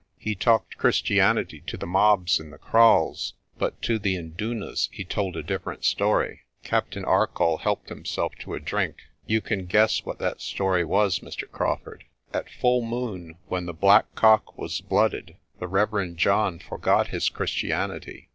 He talked Christianity to the mobs in the kraals, but to the indunas * he told a dif ferent story." Captain Arcoll helped himself to a drink. "You can guess what that story was, Mr. Crawfurd. At full moon when the black cock was blooded, the Reverend John forgot his Christianity.